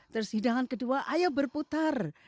terus hidangan kedua ayo berputar